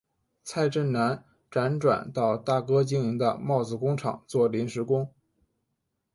蔡振南辗转到大哥经营的帽子工厂做临时工。